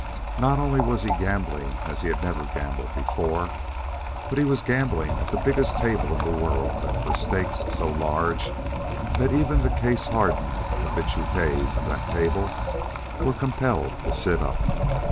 Not only was he gambling as he had never gambled before, but he was gambling at the biggest table in the world and for stakes so large that even the case hardened habitues of that table were compelled to sit up.